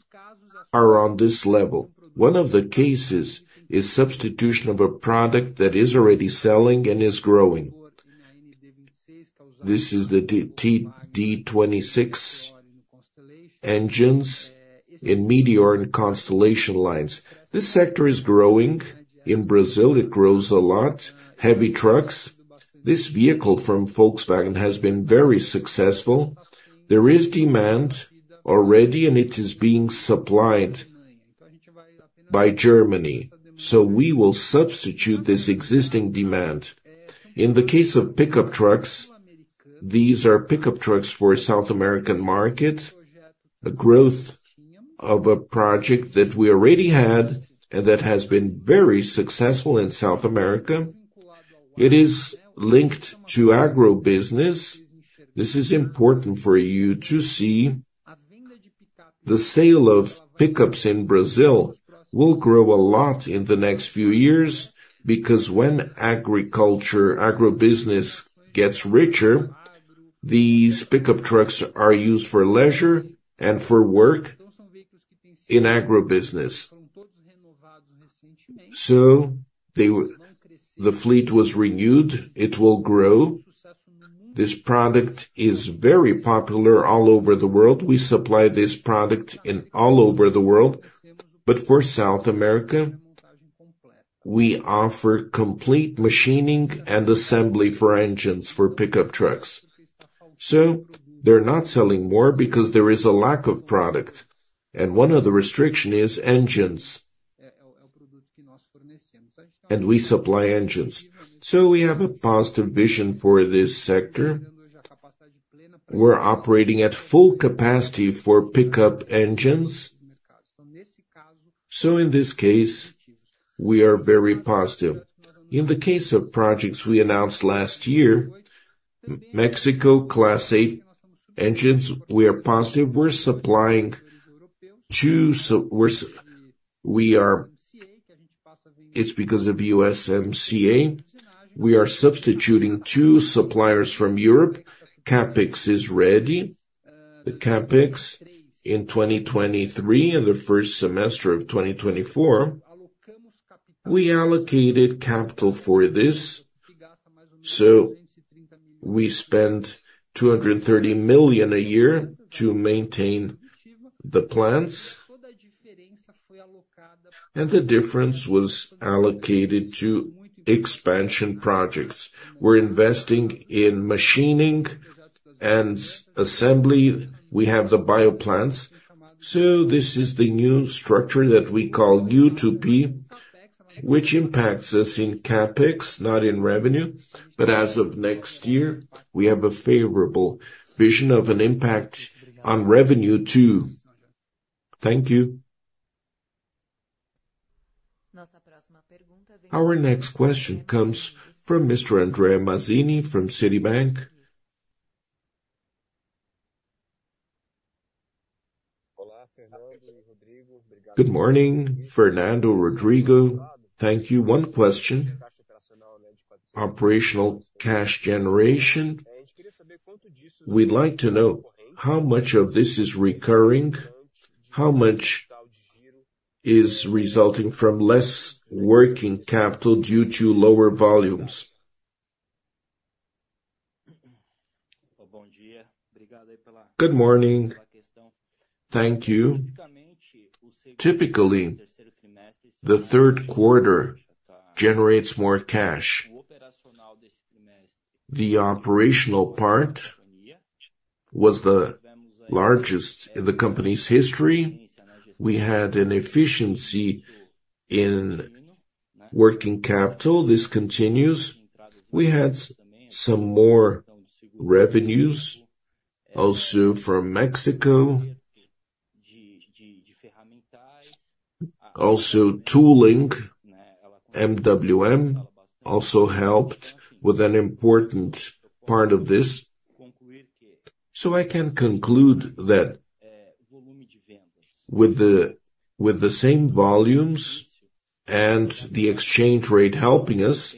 B: are on this level. One of the cases is substitution of a product that is already selling and is growing. This is the D26 engines in Meteor and Constellation lines. This sector is growing. In Brazil, it grows a lot. Heavy trucks, this vehicle from Volkswagen has been very successful. There is demand already, and it is being supplied by Germany, so we will substitute this existing demand. In the case of pickup trucks, these are pickup trucks for South American market, a growth of a project that we already had and that has been very successful in South America. It is linked to agro business. This is important for you to see. The sale of pickups in Brazil will grow a lot in the next few years because when agriculture, agro business gets richer, these pickup trucks are used for leisure and for work in agro business. So the fleet was renewed, it will grow. This product is very popular all over the world. We supply this product all over the world, but for South America, we offer complete machining and assembly for engines, for pickup trucks. So they're not selling more because there is a lack of product, and one of the restriction is engines, and we supply engines. So we have a positive vision for this sector. We're operating at full capacity for pickup engines, so in this case, we are very positive. In the case of projects we announced last year, Mexico Class 8 engines, we are positive. We're supplying two. It's because of USMCA. We are substituting two suppliers from Europe. CapEx is ready. The CapEx in 2023 and the first semester of 2024, we allocated capital for this, so we spent 230 million a year to maintain the plants, and the difference was allocated to expansion projects. We're investing in machining and assembly. We have the bioplants. So this is the new structure that we call U2P, which impacts us in CapEx, not in revenue. But as of next year, we have a favorable vision of an impact on revenue, too.
I: Thank you.
A: Our next question comes from Mr. André Mazini, from Citibank.
J: Good morning, Fernando, Rodrigo. Thank you. One question, operational cash generation. We'd like to know, how much of this is recurring? How much is resulting from less working capital due to lower volumes?
B: Good morning. Thank you. Typically, the third quarter generates more cash. The operational part was the largest in the company's history. We had an efficiency in working capital. This continues. We had some more revenues, also from Mexico. Also tooling, MWM, also helped with an important part of this. So I can conclude that with the same volumes and the exchange rate helping us,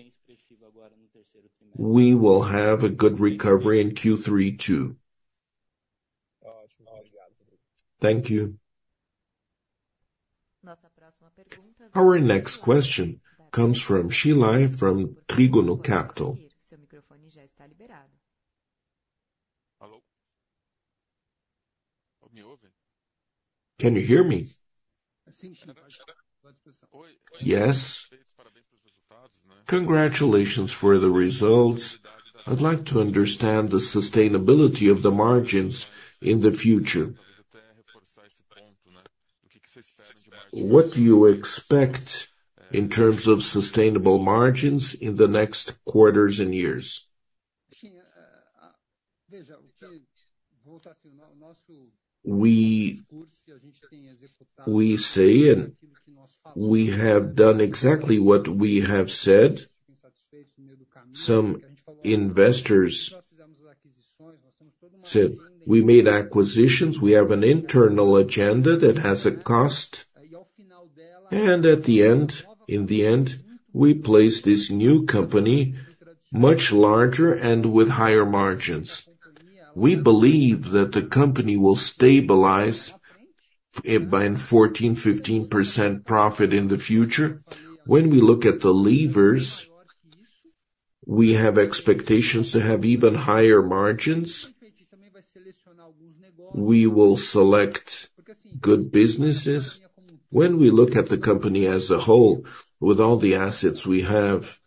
B: we will have a good recovery in Q3, too.
J: Thank you.
A: Our next question comes from Sheila, from Trígono Capital.
K: Hello? Can you hear me?
B: Yes.
K: Congratulations for the results. I'd like to understand the sustainability of the margins in the future. What do you expect in terms of sustainable margins in the next quarters and years?
B: We, we say, and we have done exactly what we have said. Some investors said we made acquisitions, we have an internal agenda that has a cost, and at the end, in the end, we place this new company much larger and with higher margins. We believe that the company will stabilize it by 14%-15% profit in the future. When we look at the levers, we have expectations to have even higher margins. We will select good businesses. When we look at the company as a whole, with all the assets we have,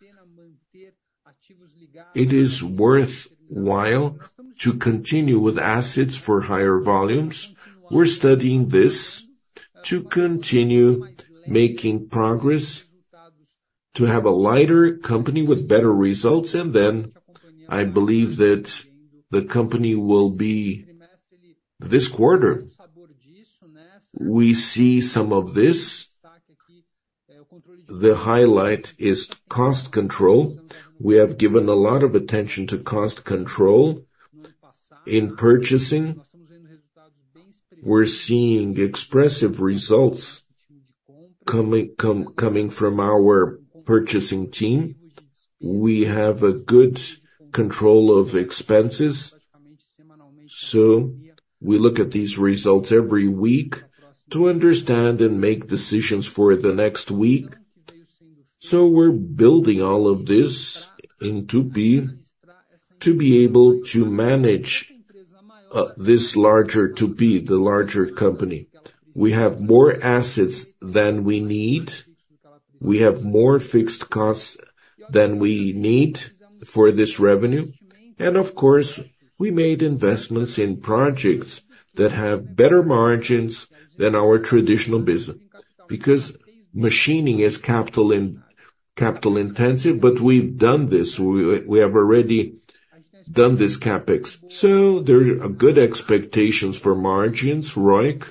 B: it is worthwhile to continue with assets for higher volumes. We're studying this to continue making progress, to have a lighter company with better results, and then I believe that the company will be... This quarter, we see some of this. The highlight is cost control. We have given a lot of attention to cost control. In purchasing, we're seeing expressive results coming from our purchasing team. We have a good control of expenses, so we look at these results every week to understand and make decisions for the next week. So we're building all of this in Tupy to be able to manage this larger Tupy, the larger company. We have more assets than we need. We have more fixed costs than we need for this revenue. And of course, we made investments in projects that have better margins than our traditional business. Because machining is capital intensive, but we've done this. We have already done this CapEx. So there are good expectations for margins, ROIC.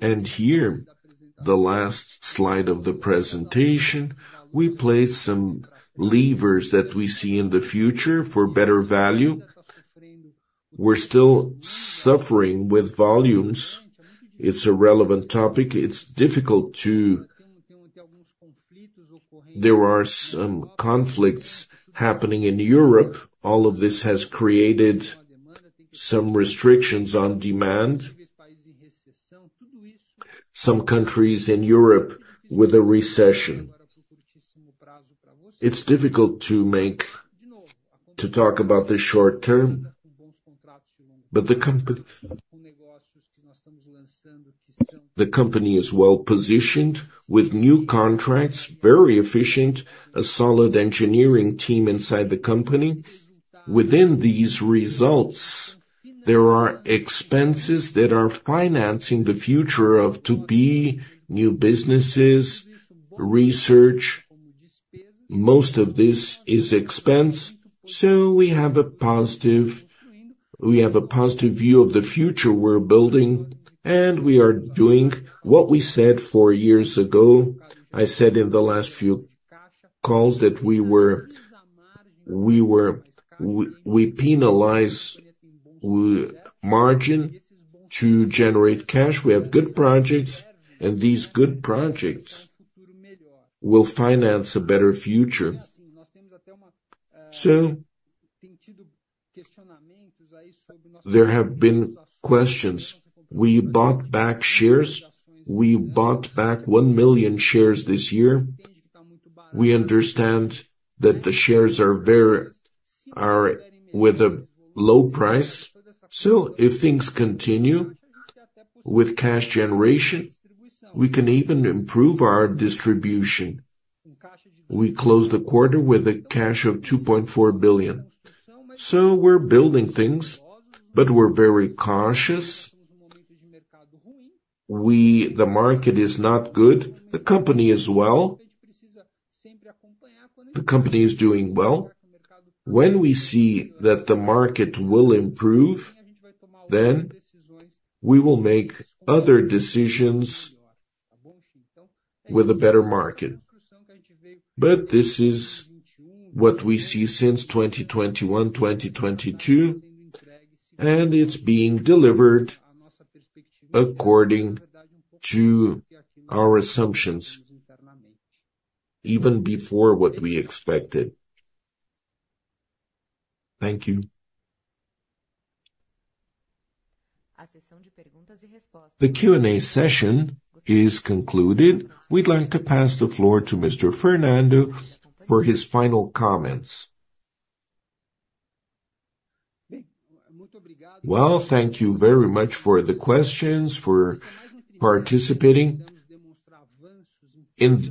B: And here, the last slide of the presentation, we placed some levers that we see in the future for better value. We're still suffering with volumes. It's a relevant topic, it's difficult to. There are some conflicts happening in Europe. All of this has created some restrictions on demand. Some countries in Europe with a recession. It's difficult to talk about the short term, but the company is well-positioned with new contracts, very efficient, a solid engineering team inside the company. Within these results, there are expenses that are financing the future of Tupy, new businesses, research. Most of this is expense, so we have a positive, we have a positive view of the future we're building, and we are doing what we said four years ago. I said in the last few calls that we were, we penalize our margin to generate cash. We have good projects, and these good projects will finance a better future. So, there have been questions. We bought back shares. We bought back 1 million shares this year. We understand that the shares are very, are with a low price. So if things continue with cash generation, we can even improve our distribution. We closed the quarter with a cash of 2.4 billion. So we're building things, but we're very cautious. We- the market is not good, the company is well. The company is doing well. When we see that the market will improve, then we will make other decisions with a better market. But this is what we see since 2021, 2022, and it's being delivered according to our assumptions, even before what we expected.
K: Thank you.
A: The Q&A session is concluded. We'd like to pass the floor to Mr. Fernando for his final comments.
B: Well, thank you very much for the questions, for participating.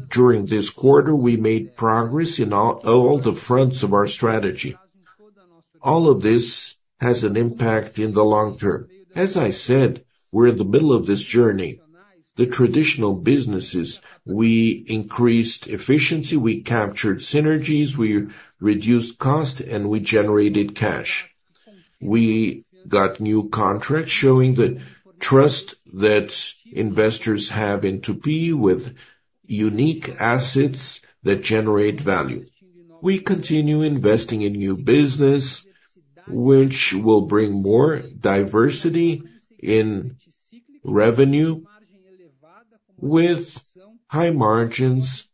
B: During this quarter, we made progress in all the fronts of our strategy. All of this has an impact in the long term. As I said, we're in the middle of this journey. The traditional businesses, we increased efficiency, we captured synergies, we reduced cost, and we generated cash. We got new contracts showing the trust that investors have in Tupy with unique assets that generate value. We continue investing in new business, which will bring more diversity in revenue, with high margins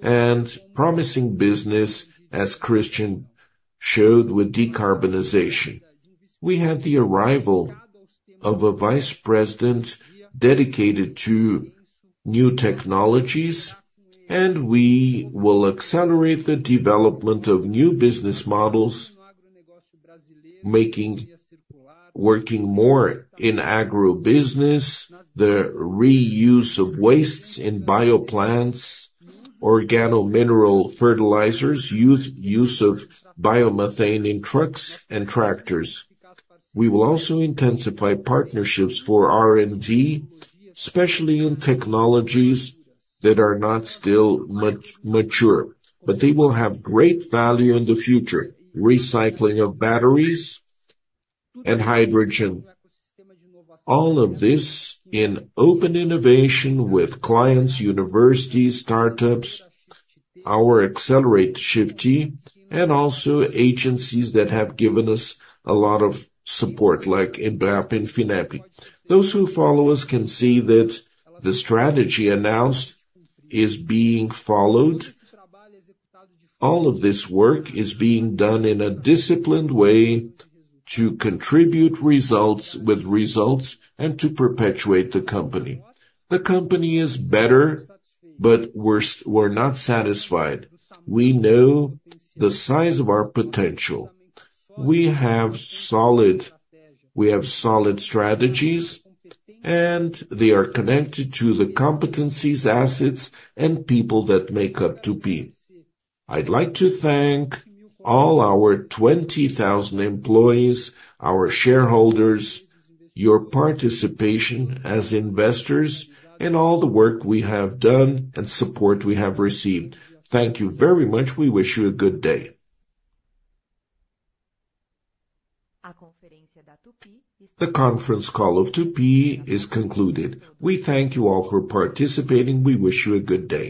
B: and promising business, as Cristian showed with decarbonization. We had the arrival of a vice president dedicated to new technologies, and we will accelerate the development of new business models, making working more in agribusiness, the reuse of wastes in bioplants, organomineral fertilizers, use of biomethane in trucks and tractors. We will also intensify partnerships for R&D, especially in technologies that are not still much mature, but they will have great value in the future. Recycling of batteries and hydrogen. All of this in open innovation with clients, universities, startups, our accelerator ShiftT, and also agencies that have given us a lot of support, like EMBRAPII and FINEP. Those who follow us can see that the strategy announced is being followed. All of this work is being done in a disciplined way to contribute with results and to perpetuate the company. The company is better, but we're not satisfied. We know the size of our potential. We have solid strategies, and they are connected to the competencies, assets, and people that make up Tupy. I'd like to thank all our 20,000 employees, our shareholders, your participation as investors, and all the work we have done and support we have received. Thank you very much. We wish you a good day.
A: The conference call of Tupy is concluded. We thank you all for participating. We wish you a good day.